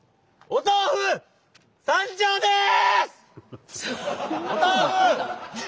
お豆腐２丁です！